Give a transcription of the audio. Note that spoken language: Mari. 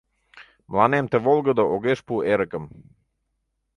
Мыланем ты волгыдо огеш пу эрыкым.